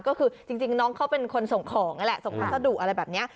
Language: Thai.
ก็คือจริงน้องเขาเป็นคนส่งของนั่นแหละส่งพัสดุอะไรแบบนี้